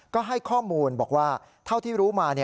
ก็ให้ข้อมูลบอกว่าเท่าที่รู้มา